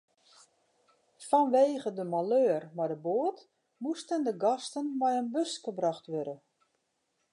Fanwegen de maleur mei de boat moasten de gasten mei in buske brocht wurde.